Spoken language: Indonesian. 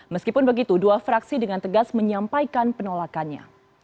meskipun begitu dua fraksi dengan tegas menyampaikan penolakannya